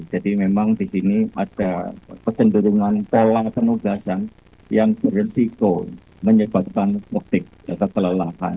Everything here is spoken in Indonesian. jadi memang di sini ada kecenderungan pola penugasan yang beresiko menyebabkan protik atau pelelakan